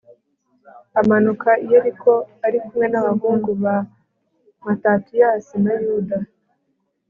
amanuka i yeriko ari kumwe n'abahungu be matatiyasi na yuda